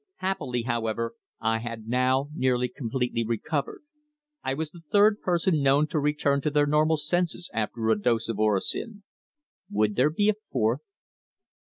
Happily, however, I had now nearly completely recovered. I was the third person known to return to their normal senses after a dose of orosin. Would there be a fourth?